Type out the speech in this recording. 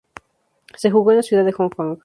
Se jugó en la ciudad de Hong Kong.